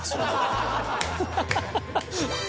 ハハハハ！